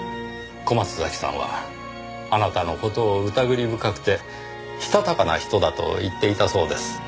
小松崎さんはあなたの事を疑り深くてしたたかな人だと言っていたそうです。